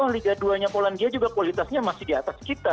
liga dua nya polandia juga kualitasnya masih di atas kita